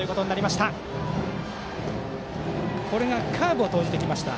まずはカーブを投じてきました。